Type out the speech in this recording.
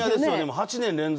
８年連続